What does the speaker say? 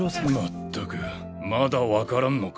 全くまだ分からんのか。